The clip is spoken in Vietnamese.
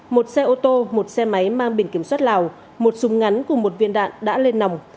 một xe ô tô một xe máy mang biển kiểm soát lào một súng ngắn cùng một viên đạn đã lên nòng